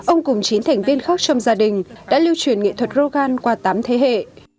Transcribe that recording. ông cùng chín thành viên khác trong gia đình đã lưu truyền nghệ thuật rogan qua tám thế hệ